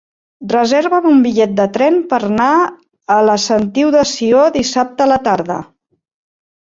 Reserva'm un bitllet de tren per anar a la Sentiu de Sió dissabte a la tarda.